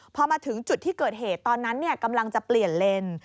พอมาถึงจุดที่เกิดเหตุตอนนั้นกำลังจะเปลี่ยนเลน